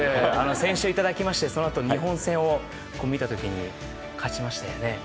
先週いただきましてそのあと日本戦を見たあとに勝ちましたよね。